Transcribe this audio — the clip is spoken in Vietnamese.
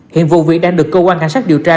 hiện vụ việc đang được cơ quan cảnh sát điều tra